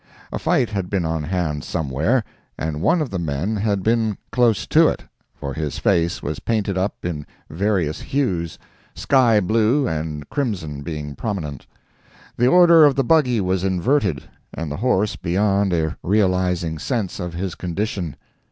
A fight had been on hand somewhere, and one of the men had been close to it, for his face was painted up in various hues, sky blue and crimson being prominent. The order of the buggy was inverted, and the horse beyond a realizing sense of his condition.